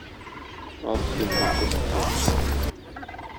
Ах, син, юньсез кызый!